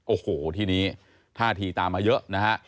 โอ้โหทีนี้ท่าทีตามมาเยอะนะฮะ